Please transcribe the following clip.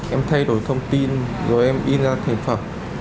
em thay đổi thông tin rồi em in ra thành phẩm